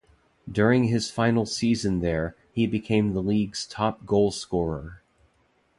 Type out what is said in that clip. During his final season there, he became the league's top goal scorer.